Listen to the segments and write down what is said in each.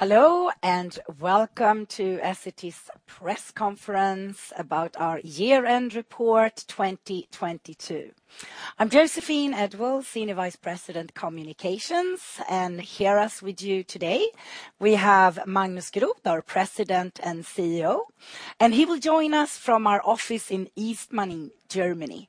Hello, and welcome to Essity's press conference about our year-end report 2022. I'm Joséphine Edwall-Björklund, Senior Vice President Communications, here as with you today, we have Magnus Groth, our President and CEO, and he will join us from our office in Ismaning in Germany.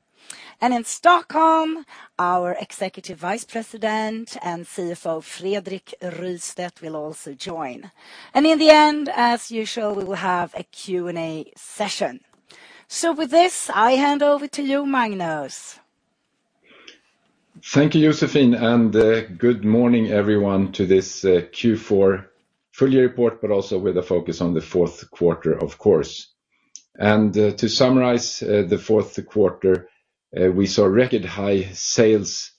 In Stockholm, our Executive Vice President and CFO, Fredrik Rystedt, will also join. In the end, as usual, we will have a Q&A session. With this, I hand over to you, Magnus. Thank you, Joséphine, and good morning, everyone, to this Q4 full year report, but also with a focus on the Q4, of course. To summarize the Q4, we saw record high sales,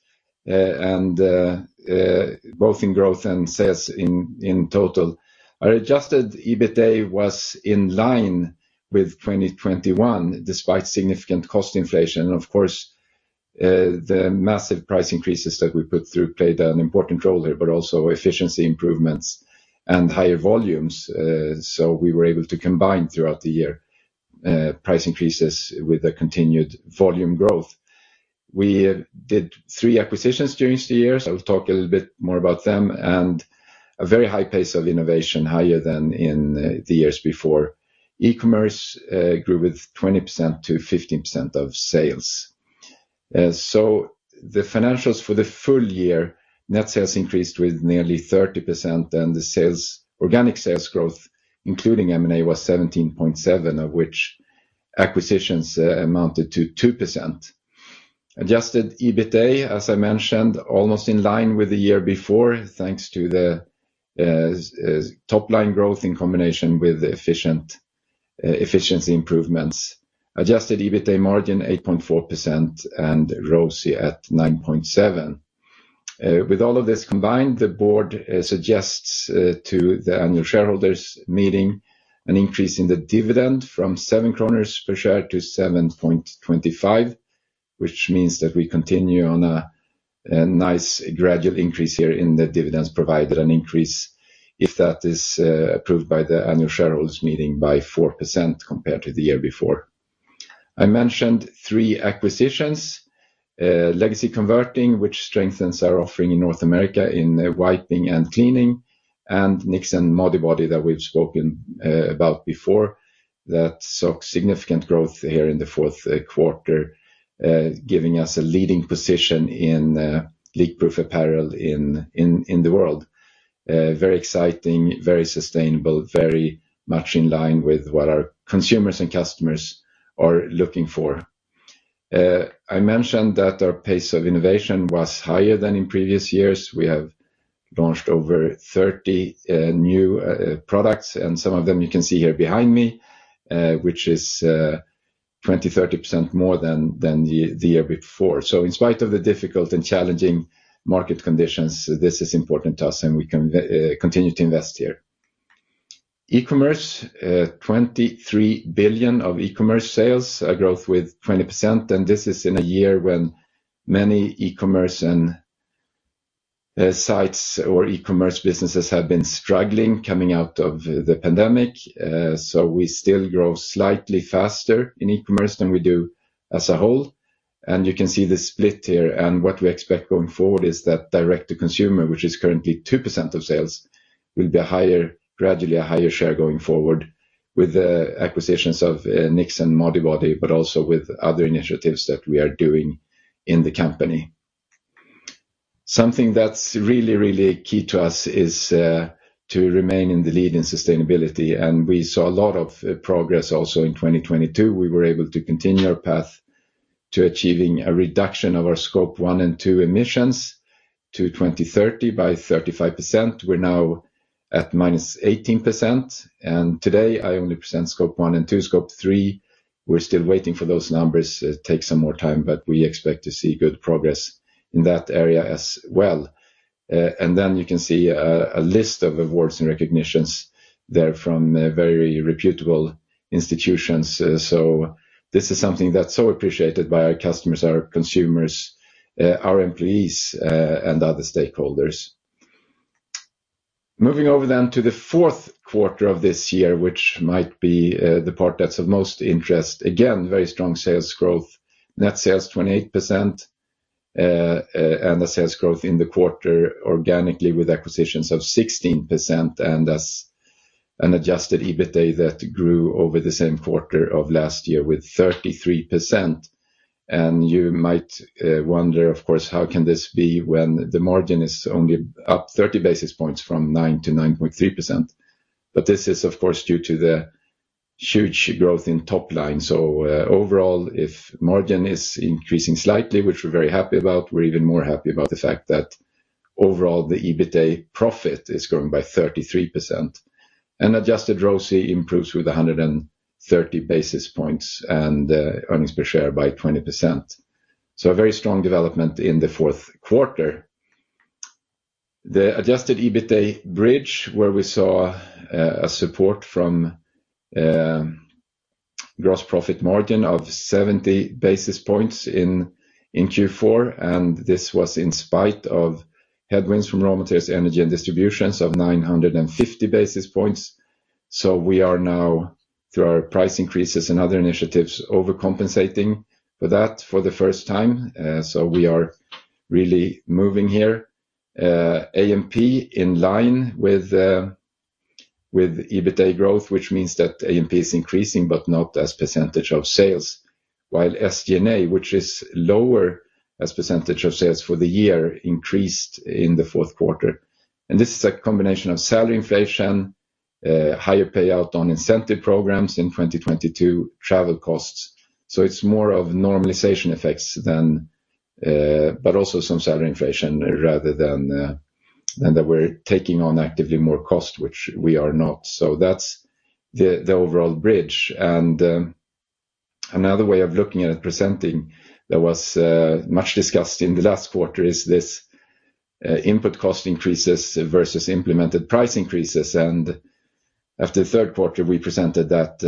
both in growth and sales in total. Our adjusted EBITA was in line with 2021 despite significant cost inflation. Of course, the massive price increases that we put through played an important role there, but also efficiency improvements and higher volumes. We were able to combine throughout the year price increases with a continued volume growth. We did three acquisitions during the year, so I'll talk a little bit more about them, and a very high pace of innovation, higher than in the years before. E-commerce grew with 20% to 15% of sales. The financials for the full year, net sales increased with nearly 30%, and the organic sales growth, including M&A, was 17.7%, of which acquisitions amounted to 2%. Adjusted EBITA, as I mentioned, almost in line with the year before, thanks to the top line growth in combination with efficiency improvements. Adjusted EBITA margin 8.4% and ROC at 9.7%. With all of this combined, the board suggests to the annual shareholders meeting an increase in the dividend from 7 kronor per share to 7.25 SEK, which means that we continue on a nice gradual increase here in the dividends provided an increase if that is approved by the annual shareholders meeting by 4% compared to the year before. I mentioned three acquisitions, Legacy Converting, which strengthens our offering in North America in wiping and cleaning, and Knix and Modibodi that we've spoken about before that saw significant growth here in the Q4, giving us a leading position in leak-proof apparel in the world. Very exciting, very sustainable, very much in line with what our consumers and customers are looking for. I mentioned that our pace of innovation was higher than in previous years. We have launched over 30 new products, and some of them you can see here behind me, which is 20%-30% more than the year before. In spite of the difficult and challenging market conditions, this is important to us, and we can continue to invest here. E-commerce, 23 billion of e-commerce sales, a growth with 20%. This is in a year when many e-commerce and sites or e-commerce businesses have been struggling coming out of the pandemic. We still grow slightly faster in e-commerce than we do as a whole. You can see the split here, what we expect going forward is that direct-to-consumer, which is currently 2% of sales, will be a higher, gradually a higher share going forward with the acquisitions of Knix and Modibodi, also with other initiatives that we are doing in the company. Something that's really key to us is to remain in the lead in sustainability. We saw a lot of progress also in 2022. We were able to continue our path to achieving a reduction of our Scope 1 and 2 emissions to 2030 by 35%. We're now at minus 18%. Today, I only present Scope one and two. Scope three, we're still waiting for those numbers. It takes some more time, but we expect to see good progress in that area as well. You can see a list of awards and recognitions there from very reputable institutions. This is something that's so appreciated by our customers, our consumers, our employees, and other stakeholders. Moving over to the Q4 of this year, which might be the part that's of most interest. Again, very strong sales growth. Net sales 28%, and the sales growth in the quarter organically with acquisitions of 16%, and as an adjusted EBITA that grew over the same quarter of last year with 33%. You might wonder, of course, how can this be when the margin is only up 30 basis points from 9-9.3%. This is of course due to the huge growth in top line. Overall, if margin is increasing slightly, which we're very happy about, we're even more happy about the fact that overall the EBITA profit is growing by 33%. Adjusted ROC improves with 130 basis points and earnings per share by 20%. A very strong development in the Q4. The adjusted EBITA bridge, where we saw a support from Gross profit margin of 70 basis points in Q4. This was in spite of headwinds from raw materials, energy and distributions of 950 basis points. We are now, through our price increases and other initiatives, overcompensating for that for the first time. We are really moving here. AMP in line with EBITA growth, which means that AMP is increasing, but not as % of sales. While SG&A, which is lower as % of sales for the year, increased in the Q4. This is a combination of salary inflation, higher payout on incentive programs in 2022, travel costs. It's more of normalization effects than, but also some salary inflation rather than that we're taking on actively more cost, which we are not. That's the overall bridge. Another way of looking at presenting that was much discussed in the last quarter is this input cost increases versus implemented price increases. After Q3, we presented that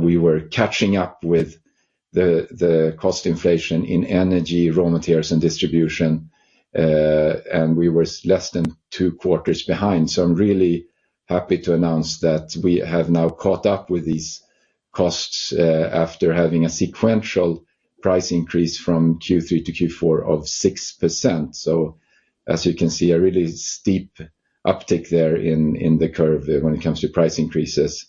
we were catching up with the cost inflation in energy, raw materials, and distribution, and we were less than 2 quarters behind. I'm really happy to announce that we have now caught up with these costs after having a sequential price increase from Q3 to Q4 of 6%. As you can see, a really steep uptick there in the curve when it comes to price increases.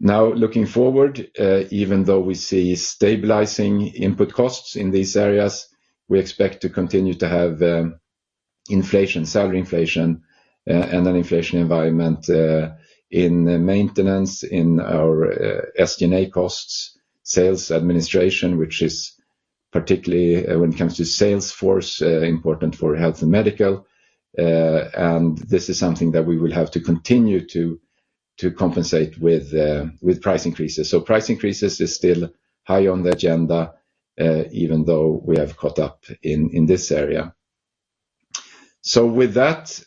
Looking forward, even though we see stabilizing input costs in these areas, we expect to continue to have inflation, salary inflation, and an inflation environment, in maintenance, in our SG&A costs, sales administration, which is particularly when it comes to sales force, important for health and medical. This is something that we will have to continue to compensate with price increases. Price increases is still high on the agenda, even though we have caught up in this area. With that,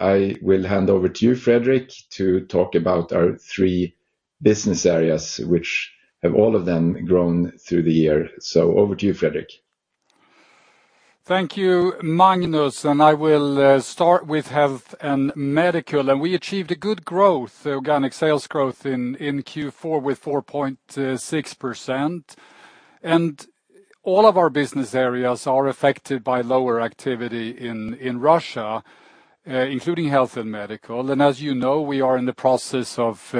I will hand over to you, Fredrik, to talk about our three business areas, which have all of them grown through the year. Over to you, Fredrik. Thank you, Magnus. I will start with health and medical. We achieved a good growth, organic sales growth in Q4 with 4.6%. All of our business areas are affected by lower activity in Russia, including health and medical. As you know, we are in the process of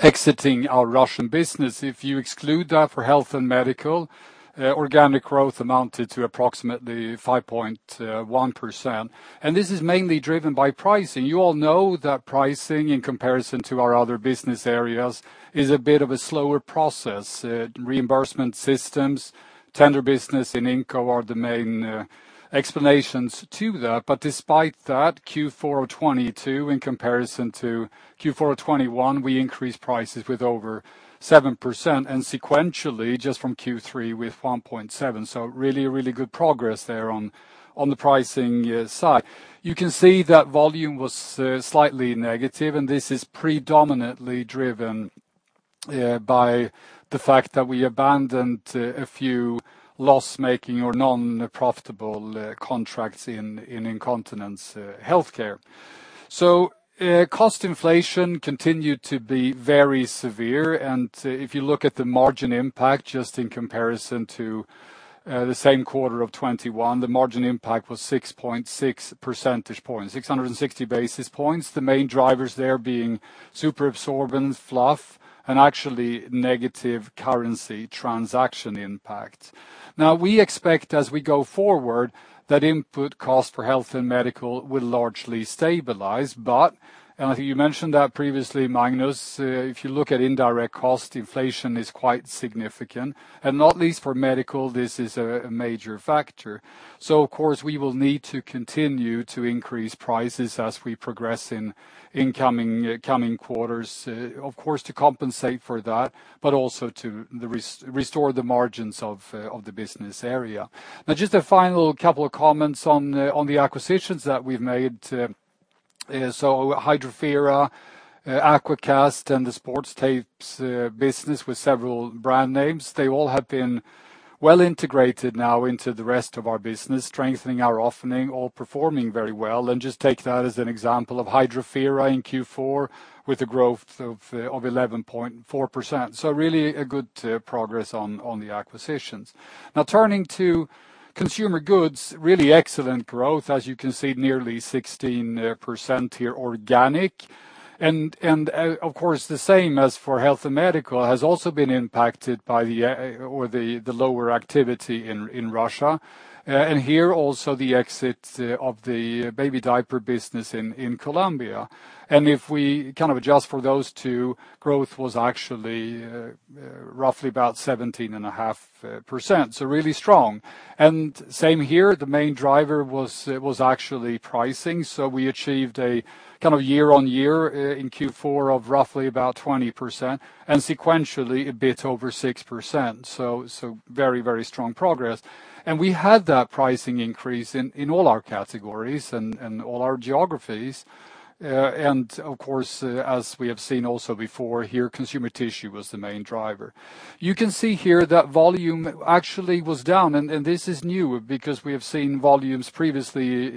exiting our Russian business. If you exclude that for health and medical, organic growth amounted to approximately 5.1%. This is mainly driven by pricing. You all know that pricing in comparison to our other business areas is a bit of a slower process. Reimbursement systems, tender business in Inco are the main explanations to that. Despite that, Q4 of 2022 in comparison to Q4 of 2021, we increased prices with over 7%, and sequentially just from Q3 with 1.7%. Really, really good progress there on the pricing side. You can see that volume was slightly negative, and this is predominantly driven by the fact that we abandoned a few loss-making or non-profitable contracts in incontinence healthcare. Cost inflation continued to be very severe. If you look at the margin impact, just in comparison to the same quarter of 2021, the margin impact was 6.6 percentage points, 660 basis points. The main drivers there being superabsorbent fluff and actually negative currency transaction impact. Now we expect as we go forward that input cost for health and medical will largely stabilize. I think you mentioned that previously, Magnus, if you look at indirect cost, inflation is quite significant. Not least for medical, this is a major factor. Of course we will need to continue to increase prices as we progress in coming quarters, of course to compensate for that, but also to restore the margins of the business area. Just a final couple of comments on the acquisitions that we've made. Hydrofera, AquaCast and the sports tapes business with several brand names, they all have been well integrated now into the rest of our business, strengthening our offering or performing very well. Just take that as an example of Hydrofera in Q4 with a growth of 11.4%. Really a good progress on the acquisitions. Now turning to consumer goods, really excellent growth, as you can see, nearly 16% here organic. Of course, the same as for health and medical has also been impacted by the lower activity in Russia. Here also the exit of the baby diaper business in Colombia. If we kind of adjust for those two, growth was actually roughly about 17.5%. Really strong. Same here, the main driver was actually pricing. We achieved a kind of year-on-year in Q4 of roughly about 20%, and sequentially a bit over 6%. Very strong progress. We had that pricing increase in all our categories and all our geographies. Of course, as we have seen also before here, consumer tissue was the main driver. You can see here that volume actually was down, and this is new because we have seen volumes previously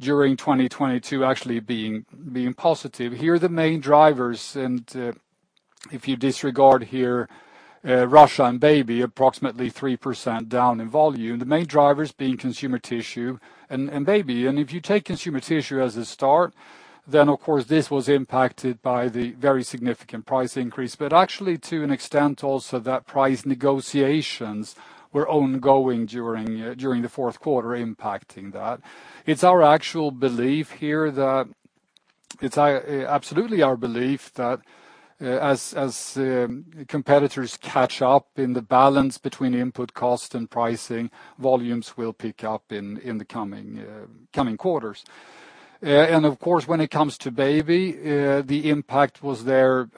during 2022 actually being positive. Here are the main drivers. If you disregard here Russia and baby, approximately 3% down in volume. The main drivers being consumer tissue and baby. If you take consumer tissue as a start, then of course, this was impacted by the very significant price increase. Actually to an extent also that price negotiations were ongoing during the Q4 impacting that. It's our actual belief here that... It's absolutely our belief that as competitors catch up in the balance between input cost and pricing, volumes will pick up in the coming quarters. Of course, when it comes to baby, the impact was there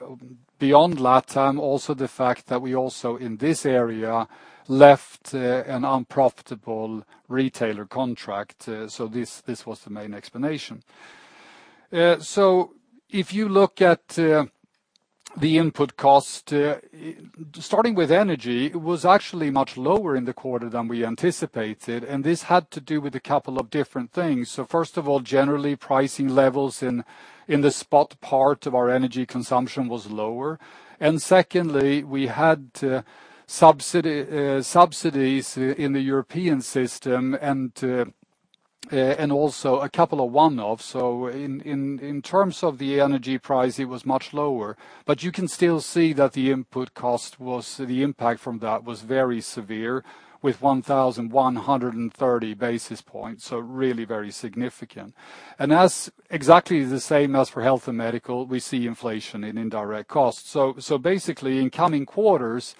beyond last time, also the fact that we also in this area left an unprofitable retailer contract. This was the main explanation. If you look at the input cost, starting with energy, it was actually much lower in the quarter than we anticipated, and this had to do with a couple of different things. First of all, generally pricing levels in the spot part of our energy consumption was lower. Secondly, we had subsidies in the European system and also a couple of one-offs. In terms of the energy price, it was much lower. You can still see that the input cost was the impact from that was very severe with 1,130 basis points, so really very significant. That's exactly the same as for health and medical. We see inflation in indirect costs. Basically, in coming quarters,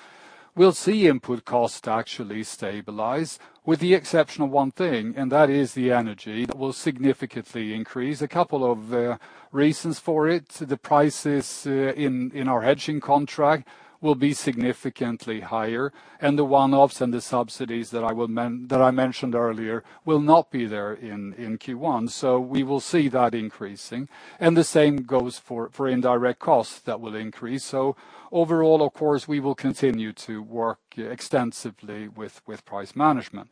we'll see input costs actually stabilize, with the exception of one thing, and that is the energy that will significantly increase. A couple of reasons for it. The prices in our hedging contract will be significantly higher, and the one-offs and the subsidies that I mentioned earlier will not be there in Q1. We will see that increasing. The same goes for indirect costs that will increase. Overall, of course, we will continue to work extensively with price management.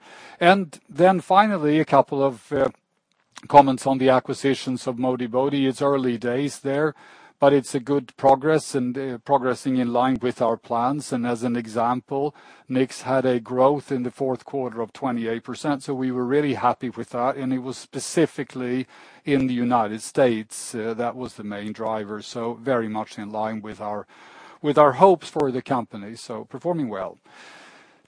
Finally, a couple of comments on the acquisitions of Modibodi. It's early days there, but it's a good progress and progressing in line with our plans. As an example, Knix had a growth in the Q4 of 28%, so we were really happy with that. It was specifically in the United States that was the main driver. Very much in line with our hopes for the company. Performing well.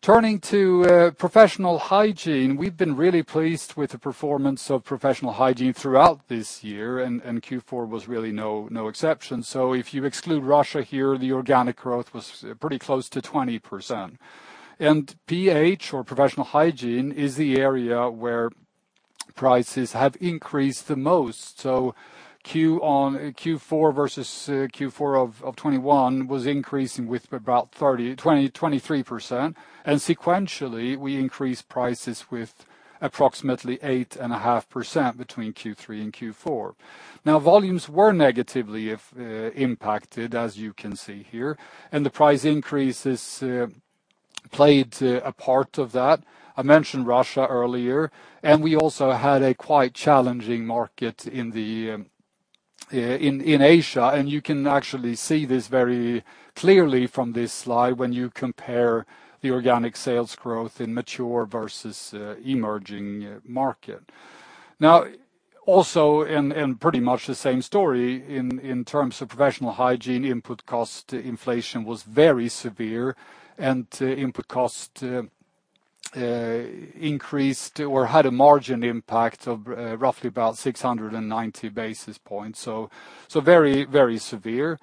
Turning to Professional Hygiene. We've been really pleased with the performance of Professional Hygiene throughout this year, and Q4 was really no exception. If you exclude Russia here, the organic growth was pretty close to 20%. PH, or Professional Hygiene, is the area where prices have increased the most. Q4 versus Q4 of 2021 was increasing with about 23%. Sequentially, we increased prices with approximately 8.5% between Q3 and Q4. Now, volumes were negatively impacted, as you can see here, and the price increases played a part of that. I mentioned Russia earlier, and we also had a quite challenging market in Asia. You can actually see this very clearly from this slide when you compare the organic sales growth in mature versus emerging market. Also and pretty much the same story in terms of Professional Hygiene input cost inflation was very severe and input cost increased or had a margin impact of roughly about 690 basis points. So very severe.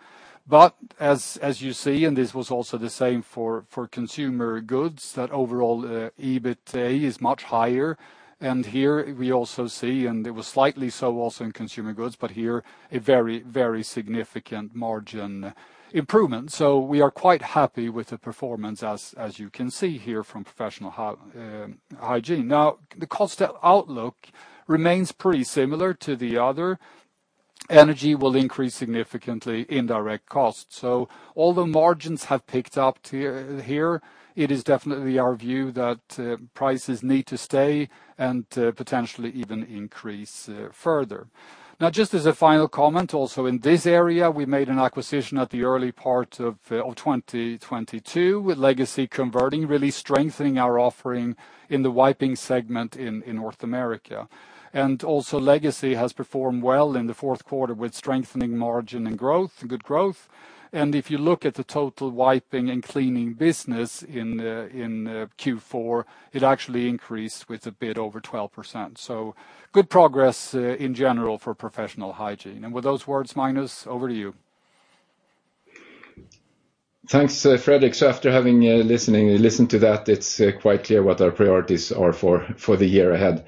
As you see, and this was also the same for consumer goods, that overall EBITA is much higher. Here we also see, and it was slightly so also in consumer goods, but here a very significant margin improvement. We are quite happy with the performance, as you can see here from Professional Hygiene. The cost outlook remains pretty similar to the other. Energy will increase significantly indirect costs. Although margins have picked up here, it is definitely our view that prices need to stay and potentially even increase further. Just as a final comment, also in this area, we made an acquisition at the early part of 2022 with Legacy Converting, really strengthening our offering in the wiping segment in North America. Also Legacy has performed well in the Q4 with strengthening margin and good growth. If you look at the total wiping and cleaning business in Q4, it actually increased with a bit over 12%. Good progress in general for Professional Hygiene. With those words, Magnus, over to you. Thanks, Fredrik. After having listened to that, it's quite clear what our priorities are for the year ahead.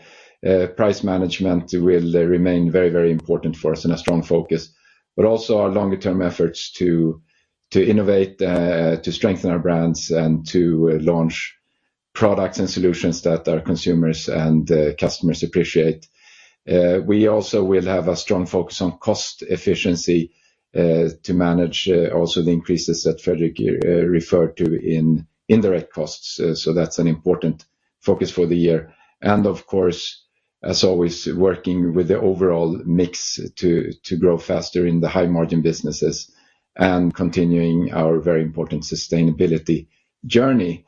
Price management will remain very important for us and a strong focus, but also our longer-term efforts to innovate, to strengthen our brands and to launch products and solutions that our consumers and customers appreciate. We also will have a strong focus on cost efficiency to manage also the increases that Fredrik referred to in indirect costs. That's an important focus for the year. As always, working with the overall mix to grow faster in the high margin businesses and continuing our very important sustainability journey.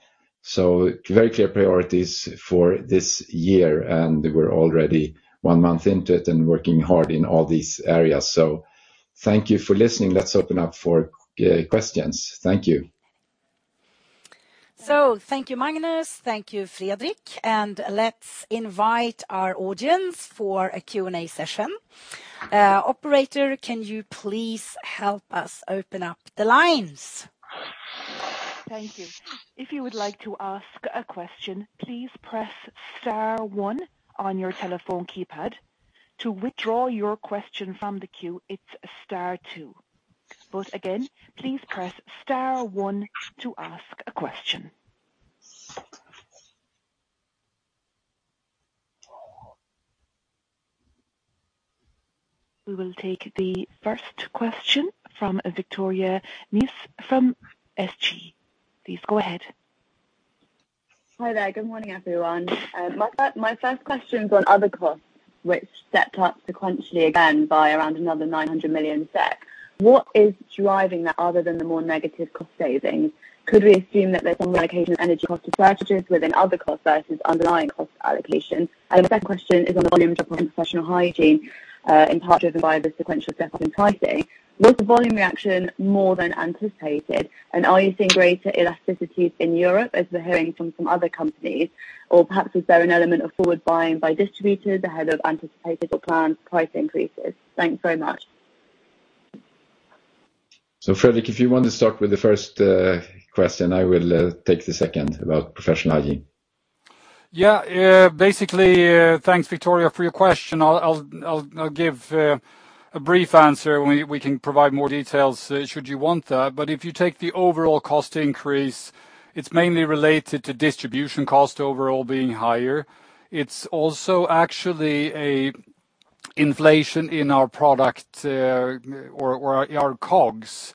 Very clear priorities for this year, and we're already one month into it and working hard in all these areas. Thank you for listening. Let's open up for questions. Thank you. Thank you, Magnus. Thank you, Fredrik. Let's invite our audience for a Q&A session. Operator, can you please help us open up the lines? Thank you. If you would like to ask a question, please press star one on your telephone keypad. To withdraw your question from the queue, it's star two. Again, please press star one to ask a question. We will take the first question from Victoria Nice from SG. Please go ahead. Hi there. Good morning, everyone. My first question is on other costs which stepped up sequentially again by around another 900 million SEK. What is driving that other than the more negative cost savings? Could we assume that there's some location energy cost disadvantages within other costs versus underlying cost allocation? The second question is on volume drop in Professional Hygiene, in part driven by the sequential step-up in pricing. Was the volume reaction more than anticipated? Are you seeing greater elasticity in Europe as we're hearing from some other companies? Perhaps, is there an element of forward buying by distributors ahead of anticipated or planned price increases? Thanks very much. Fredrik, if you want to start with the first question, I will take the second about Professional Hygiene. Basically, thanks, Victoria, for your question. I'll give a brief answer. We can provide more details should you want that. If you take the overall cost increase, it's mainly related to distribution cost overall being higher. It's also actually a inflation in our product or our COGS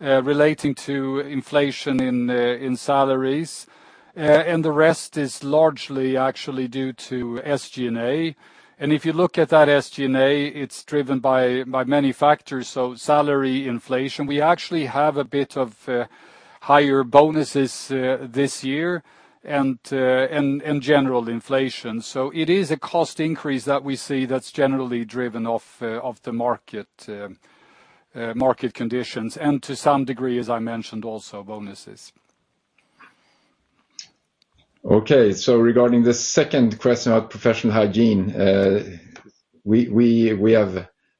relating to inflation in salaries. The rest is largely actually due to SG&A. If you look at that SG&A, it's driven by many factors. Salary inflation. We actually have a bit of higher bonuses this year and general inflation. It is a cost increase that we see that's generally driven off off the market market conditions, and to some degree, as I mentioned, also bonuses. Regarding the second question about Professional Hygiene, we have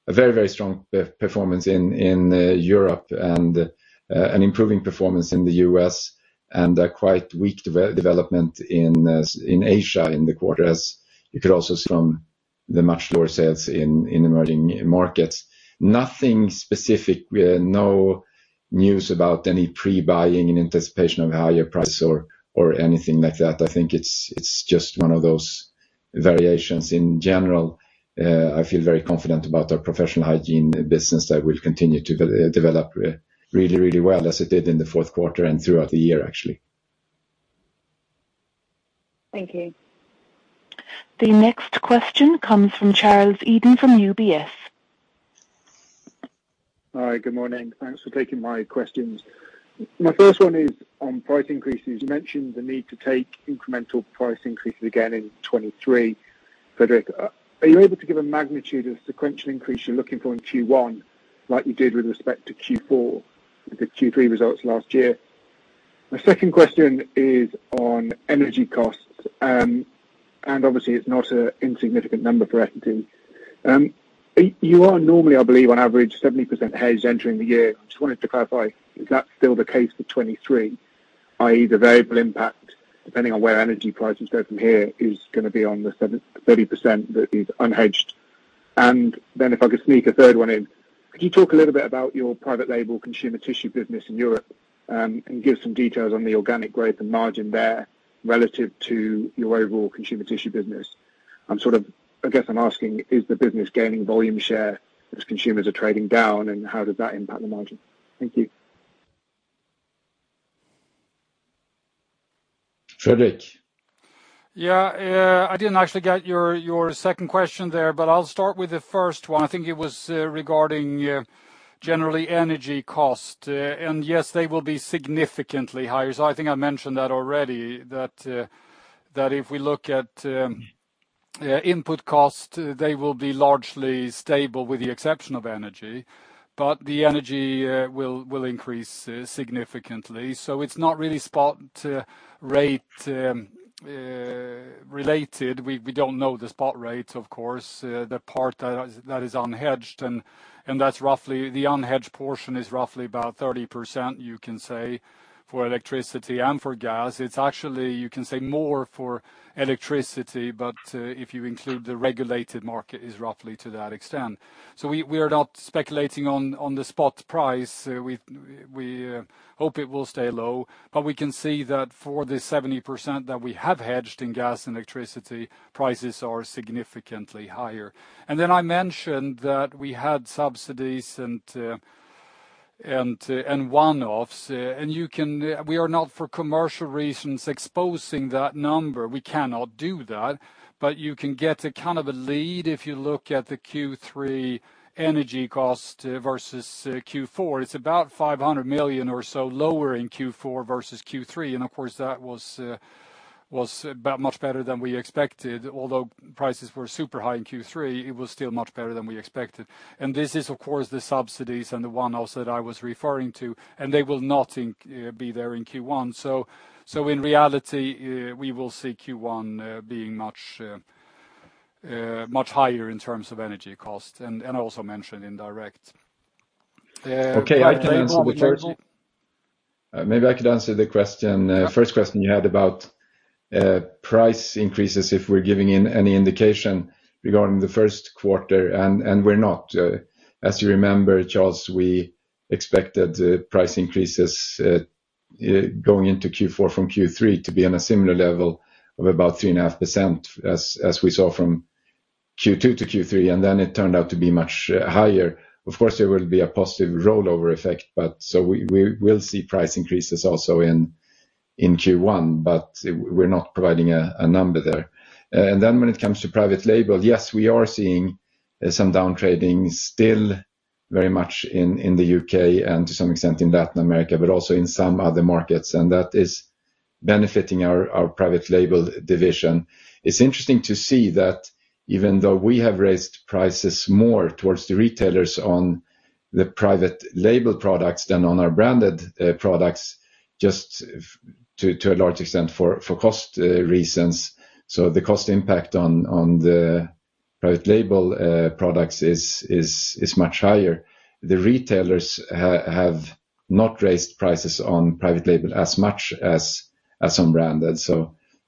a very strong performance in Europe and an improving performance in the US and a quite weak development in Asia in the quarter, as you could also see from the much lower sales in emerging markets. Nothing specific. No news about any pre-buying in anticipation of higher price or anything like that. I think it's just one of those variations. In general, I feel very confident about our Professional Hygiene business that will continue to develop really well as it did in the Q4 and throughout the year, actually. Thank you. The next question comes from Charles Eden from UBS. Hi, good morning. Thanks for taking my questions. My first one is on price increases. You mentioned the need to take incremental price increases again in 2023. Fredrik, are you able to give a magnitude of sequential increase you're looking for in Q1 like you did with respect to Q4 with the Q3 results last year? My second question is on energy costs. Obviously it's not an insignificant number for Essity. You are normally, I believe, on average 70% hedged entering the year. Just wanted to clarify, is that still the case for 2023, i.e. the variable impact, depending on where energy prices go from here, is gonna be on the 30% that is unhedged? If I could sneak a third one in, could you talk a little bit about your private label consumer tissue business in Europe, and give some details on the organic growth and margin there relative to your overall consumer tissue business? I guess I'm asking, is the business gaining volume share as consumers are trading down, and how does that impact the margin? Thank you. Fredrik? Yeah. I didn't actually get your second question there, but I'll start with the first one. I think it was regarding generally energy cost. Yes, they will be significantly higher. I think I mentioned that already, that if we look at input costs, they will be largely stable with the exception of energy, but the energy will increase significantly. It's not really spot rate related. We don't know the spot rate, of course, the part that is unhedged. That's roughly... The unhedged portion is roughly about 30%, you can say, for electricity and for gas. It's actually, you can say, more for electricity, but if you include the regulated market, is roughly to that extent. We are not speculating on the spot price. We hope it will stay low, but we can see that for the 70% that we have hedged in gas and electricity, prices are significantly higher. I mentioned that we had subsidies. One-offs. We are not, for commercial reasons, exposing that number. We cannot do that, but you can get a kind of a lead if you look at the Q3 energy cost versus Q4. It's about 500 million or so lower in Q4 versus Q3. Of course, that was about much better than we expected, although prices were super high in Q3, it was still much better than we expected. This is, of course, the subsidies and the one also that I was referring to, and they will not be there in Q1. In reality, we will see Q1 being much, much higher in terms of energy cost and I also mentioned indirect. Okay. I can answer the question. Maybe I could answer the question, first question you had about price increases if we're giving in any indication regarding the Q1, and we're not. As you remember, Charles, we expected price increases going into Q4 from Q3 to be on a similar level of about 3.5% as we saw from Q2 to Q3, then it turned out to be much higher. Of course, there will be a positive rollover effect, but so we will see price increases also in Q1, but we're not providing a number there. When it comes to private label, yes, we are seeing some downtrading still very much in the U.K. and to some extent in Latin America, but also in some other markets. That is benefiting our private label division. It's interesting to see that even though we have raised prices more towards the retailers on the private label products than on our branded products, just to a large extent for cost reasons. The cost impact on the private label products is much higher. The retailers have not raised prices on private label as much as on branded.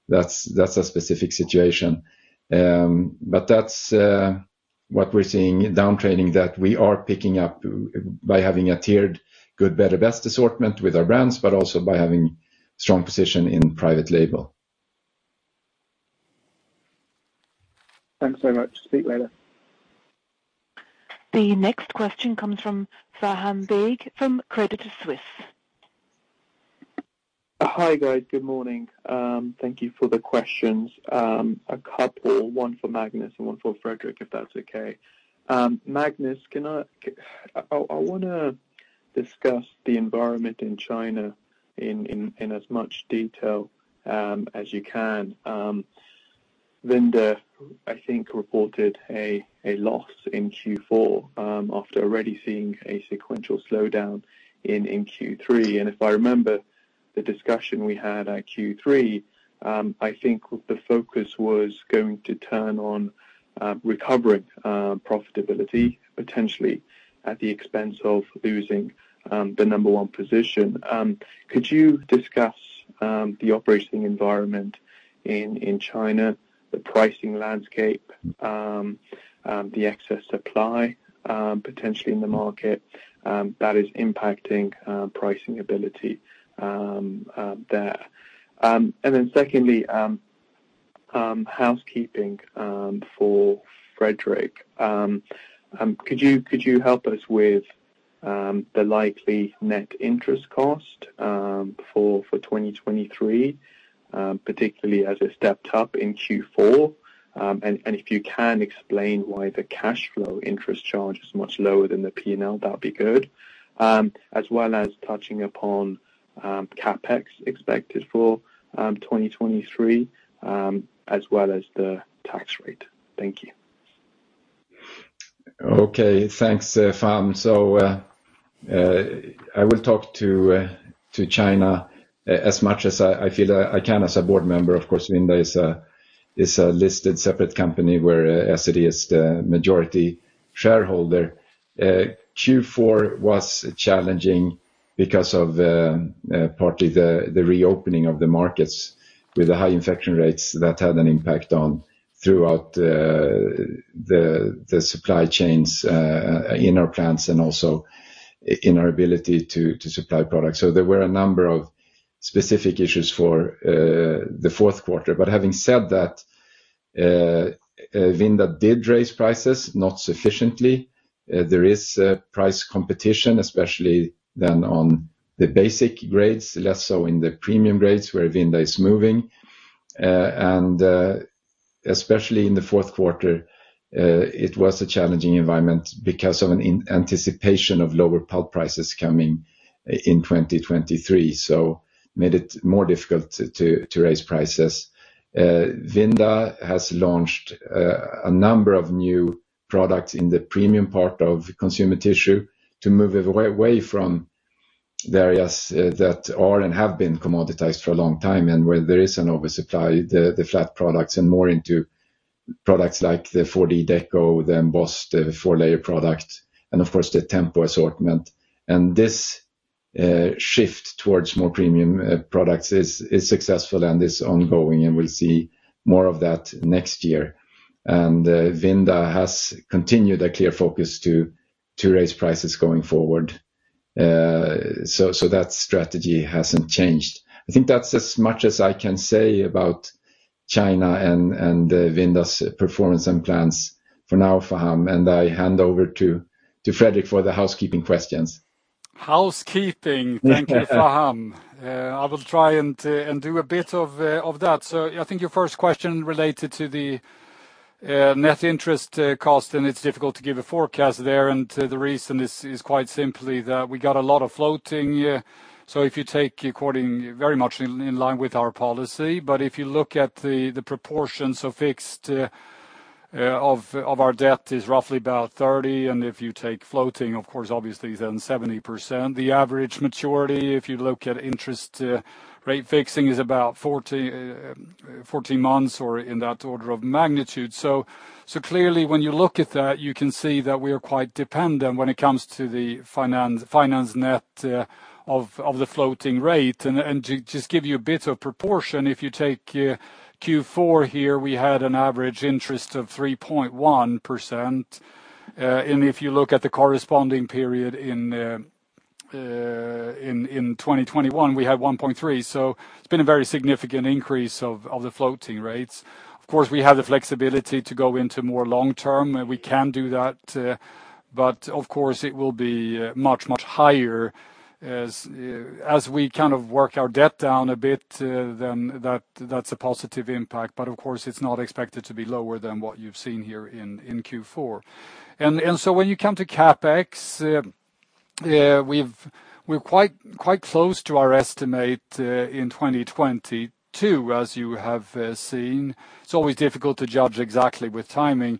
That's a specific situation. But that's what we're seeing, downtraining that we are picking up by having a tiered good, better, best assortment with our brands, but also by having strong position in private label. Thanks so much. Speak later. The next question comes from Faham Baig from Credit Suisse. Hi, guys. Good morning. Thank you for the questions. A couple, one for Magnus and one for Fredrik, if that's okay. Magnus, I want to discuss the environment in China in as much detail as you can. Vinda, I think, reported a loss in Q4 after already seeing a sequential slowdown in Q3. If I remember the discussion we had at Q3, I think the focus was going to turn on recovering profitability, potentially at the expense of losing the number one position. Could you discuss the operating environment in China, the pricing landscape, the excess supply potentially in the market that is impacting pricing ability there? Secondly, housekeeping for Fredrik. Could you help us with the likely net interest cost for 2023, particularly as it stepped up in Q4? If you can explain why the cash flow interest charge is much lower than the P&L, that'd be good. As well as touching upon CapEx expected for 2023, as well as the tax rate. Thank you. Okay. Thanks, Faham. I will talk to China as much as I feel I can as a board member. Of course, Vinda is a listed separate company where Essity is the majority shareholder. Q4 was challenging because of partly the reopening of the markets with the high infection rates that had an impact on throughout the supply chains in our plants and also in our ability to supply products. There were a number of specific issues for the Q4. Having said that, Vinda did raise prices not sufficiently. There is price competition, especially than on the basic grades, less so in the premium grades where Vinda is moving. Especially in the Q4, it was a challenging environment because of an anticipation of lower pulp prices coming in 2023, so made it more difficult to raise prices. Vinda has launched a number of new products in the premium part of consumer tissue to move away from the areas that are and have been commoditized for a long time and where there is an oversupply, the flat products, and more into products like the 4D-Deco, the embossed, the four-layer product, and of course, the Tempo assortment. This shift towards more premium products is successful and is ongoing, and we'll see more of that next year. Vinda has continued a clear focus to raise prices going forward. That strategy hasn't changed. I think that's as much as I can say about China and Vinda's performance and plans for now, Faham. I hand over to Fredrik for the housekeeping questions. Housekeeping. Thank you, Faham. I will try and do a bit of that. I think your first question related to the net interest cost, and it's difficult to give a forecast there. The reason is quite simply that we got a lot of floating. If you take very much in line with our policy, but if you look at the proportions of fixed of our debt is roughly about 30, and if you take floating of course obviously then 70%. The average maturity, if you look at interest rate fixing, is about 40 months or in that order of magnitude. Clearly when you look at that, you can see that we are quite dependent when it comes to the finance net of the floating rate. To just give you a bit of proportion, if you take Q4 here, we had an average interest of 3.1%. If you look at the corresponding period in 2021, we had 1.3%. It's been a very significant increase of the floating rates. Of course, we have the flexibility to go into more long-term, and we can do that, but of course it will be much higher. We kind of work our debt down a bit, then that's a positive impact. Of course, it's not expected to be lower than what you've seen here in Q4. When you come to CapEx, we're quite close to our estimate in 2022, as you have seen. It's always difficult to judge exactly with timing. When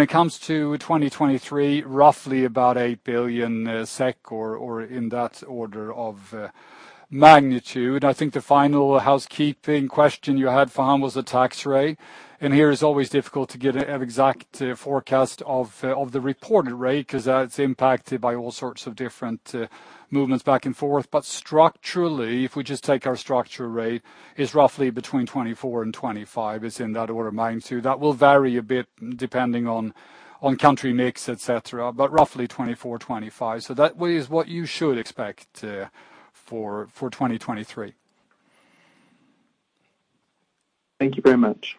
it comes to 2023, roughly about 8 billion SEK or in that order of magnitude. I think the final housekeeping question you had, Faham, was the tax rate, and here it's always difficult to give an exact forecast of the reported rate 'cause that's impacted by all sorts of different movements back and forth. Structurally, if we just take our structure rate, it's roughly between 24% and 25%. It's in that order of magnitude. That will vary a bit depending on country mix, et cetera, but roughly 24%-25%. That way is what you should expect for 2023. Thank you very much.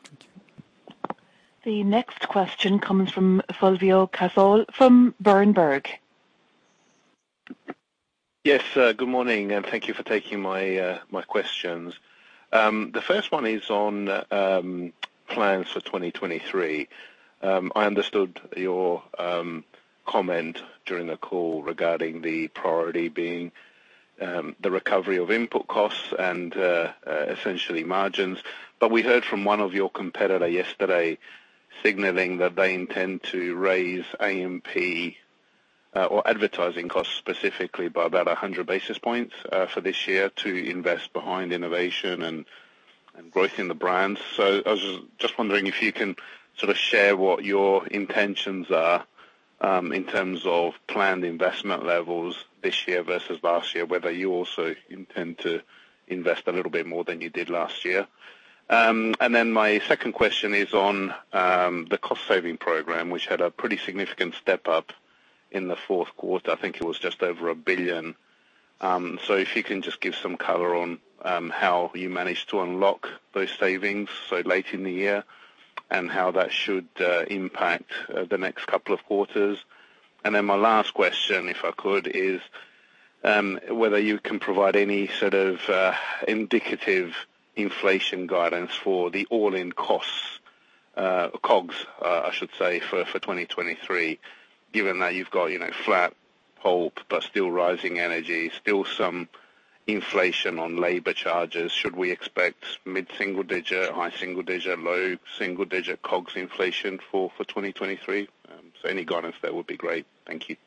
The next question comes from Fulvio Cazzol from Berenberg. Good morning, and thank you for taking my questions. The first one is on plans for 2023. I understood your comment during the call regarding the priority being the recovery of input costs and essentially margins. We heard from one of your competitor yesterday signaling that they intend to raise AMP or advertising costs specifically by about 100 basis points for this year to invest behind innovation and growth in the brand. I was just wondering if you can sort of share what your intentions are in terms of planned investment levels this year versus last year, whether you also intend to invest a little bit more than you did last year? My second question is on the cost-saving program, which had a pretty significant step-up in the Q4. I think it was just over a billion. If you can just give some color on how you managed to unlock those savings so late in the year and how that should impact the next couple of quarters. My last question, if I could, is whether you can provide any sort of indicative inflation guidance for the all-in costs, COGS, I should say, for 2023, given that you've got, you know, flat pulp but still rising energy, still some inflation on labor charges. Should we expect mid-single digit, high single digit, low single digit COGS inflation for 2023? Any guidance there would be great. Thank you.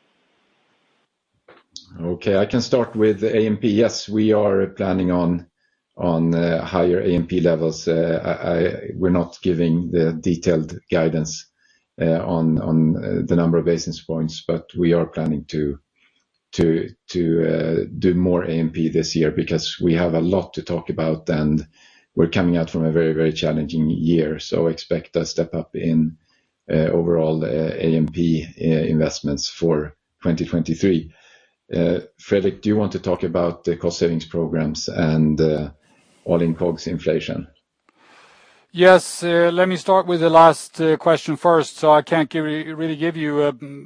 Okay. I can start with AMP. Yes, we are planning on higher AMP levels. We're not giving the detailed guidance on the number of basis points, but we are planning to do more AMP this year because we have a lot to talk about, and we're coming out from a very, very challenging year. Expect a step-up in overall AMP investments for 2023. Fredrik, do you want to talk about the cost savings programs and all-in COGS inflation? Let me start with the last question first. I can't really give you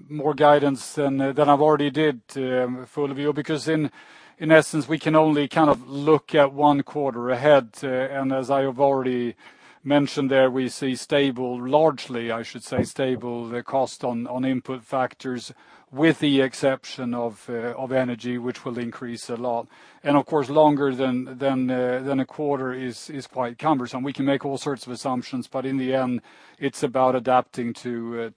more guidance than I've already did, Fulvio, because in essence, we can only kind of look at one quarter ahead. As I have already mentioned there, we see stable, largely I should say, stable the cost on input factors, with the exception of energy, which will increase a lot. Of course, longer than a quarter is quite cumbersome. We can make all sorts of assumptions, but in the end, it's about adapting to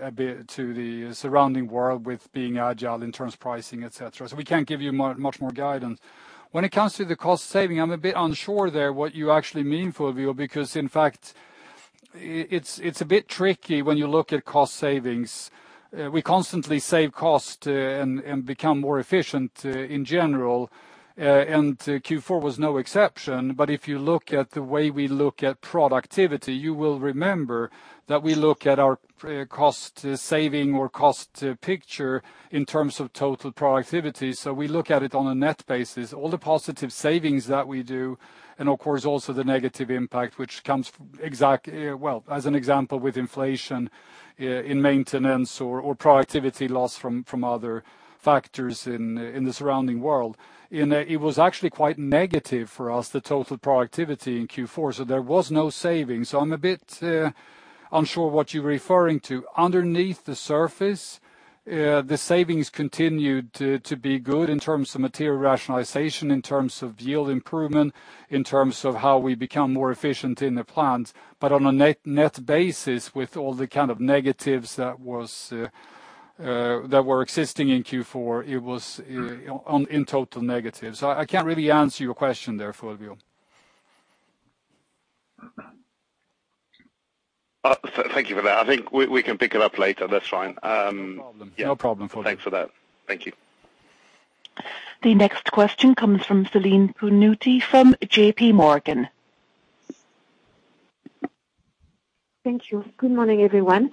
a bit to the surrounding world with being agile in terms of pricing, et cetera. We can't give you much more guidance. When it comes to the cost savings, I'm a bit unsure there what you actually mean, Fulvio. It's a bit tricky when you look at cost savings. We constantly save costs and become more efficient in general, and Q4 was no exception. If you look at the way we look at productivity, you will remember that we look at our cost savings or cost picture in terms of total productivity. We look at it on a net basis, all the positive savings that we do, and of course, also the negative impact which comes Well, as an example, with inflation in maintenance or productivity loss from other factors in the surrounding world. You know, it was actually quite negative for us, the total productivity in Q4. There was no savings. I'm a bit unsure what you're referring to. Underneath the surface, the savings continued to be good in terms of material rationalization, in terms of yield improvement, in terms of how we become more efficient in the plant. On a net basis, with all the kind of negatives that were existing in Q4, it was in total negative. I can't really answer your question there, Fulvio. thank you for that. I think we can pick it up later. That's fine. No problem. Yeah. No problem, Fulvio. Thanks for that. Thank you. The next question comes from Celine Pannuti from J.P. Morgan. Thank you. Good morning, everyone.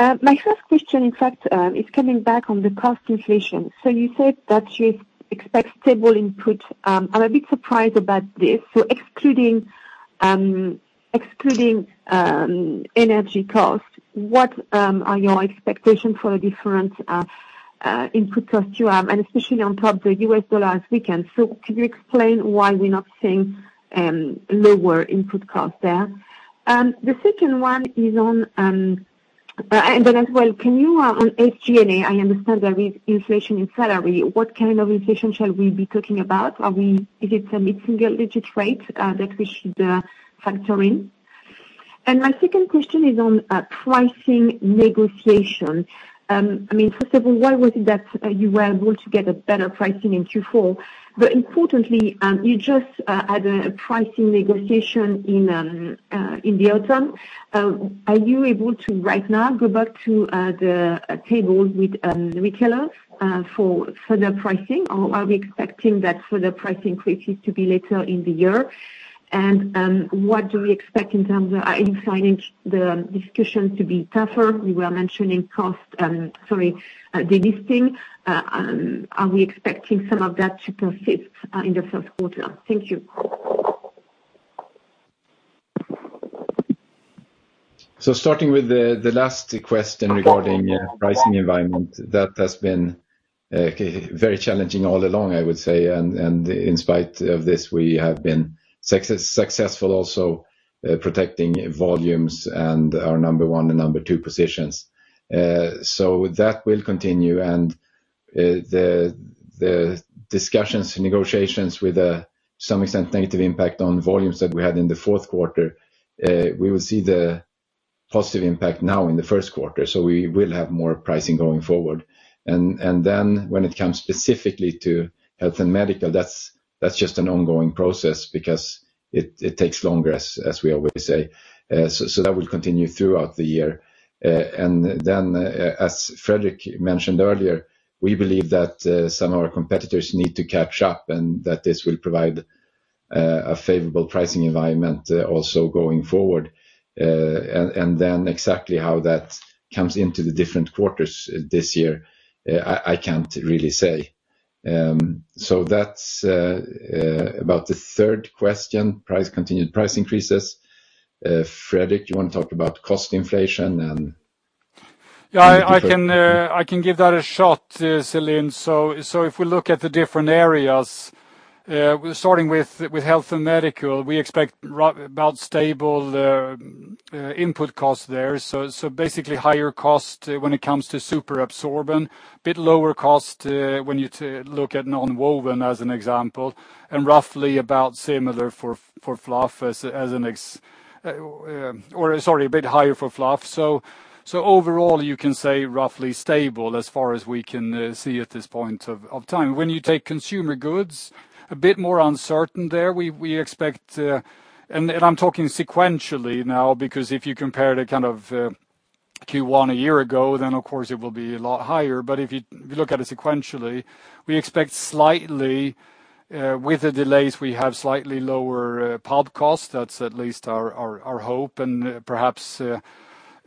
My first question, in fact, is coming back on the cost inflation. You said that you expect stable input. I'm a bit surprised about this. Excluding energy costs, what are your expectations for the different input costs you have, and especially on top the US dollar as we can? Could you explain why we're not seeing lower input costs there? The second one is on... As well, can you on SG&A, I understand there is inflation in salary. What kind of inflation shall we be talking about? Is it a mid-single digit rate that we should factor in? My second question is on pricing negotiation. I mean, first of all, why was it that you were able to get a better pricing in Q4? Importantly, you just had a pricing negotiation in the autumn. Are you able to right now go back to the tables with retailers for further pricing? Are we expecting that further pricing increases to be later in the year? Are you finding the discussions to be tougher? We were mentioning cost, sorry, de-listing. Are we expecting some of that to persist in the Q1? Thank you. Starting with the last question regarding pricing environment, that has been very challenging all along, I would say. In spite of this, we have been successful also protecting volumes and our number one and number two positions. That will continue. The discussions, negotiations with a, to some extent, negative impact on volumes that we had in the Q4, we will see the positive impact now in the Q1. We will have more pricing going forward. When it comes specifically to health and medical, that's just an ongoing process because it takes longer, as we always say. That will continue throughout the year. Then as Fredrik mentioned earlier, we believe that some of our competitors need to catch up and that this will provide a favorable pricing environment also going forward. Then exactly how that comes into the different quarters this year, I can't really say. That's about the third question, price increases. Fredrik, do you want to talk about cost inflation? Yeah, I can give that a shot, Celine. If we look at the different areas, starting with health and medical, we expect about stable input costs there. Basically higher cost when it comes to superabsorbent, a bit lower cost when you look at nonwoven as an example, and roughly about similar for fluff or sorry, a bit higher for fluff. Overall, you can say roughly stable as far as we can see at this point of time. When you take consumer goods, a bit more uncertain there. We expect. I'm talking sequentially now, because if you compare the kind of Q1 a year ago, of course it will be a lot higher. If you look at it sequentially, we expect slightly, with the delays we have, slightly lower pulp costs. That's at least our hope. Perhaps